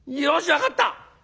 よし分かった！